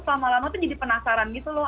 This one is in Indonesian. lama lama tuh jadi penasaran gitu loh